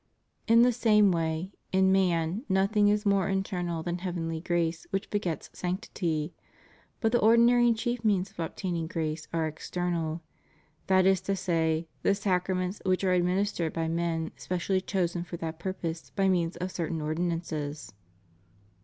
^ In the same way, in man, nothing is more internal than heavenly grace which begets sanctity, but the ordinary and chief means of obtaining grace are ex ternal: that is to say, the sacraments which are adminis tered by men specially chosen for that purpose, by means of certain ordinances.